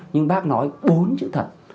nhưng bác nói bốn chữ thật